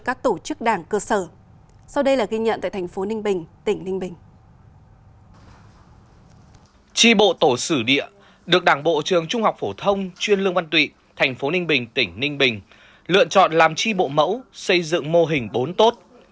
chi bộ tổ xử địa được đảng bộ trường trung học phổ thông chuyên lương văn tụy tp ninh bình tỉnh ninh bình lựa chọn làm chi bộ mẫu xây dựng mô hình bốn tốt